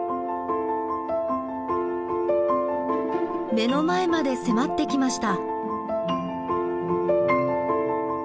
目の前まで迫ってきました。